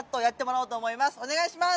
お願いします。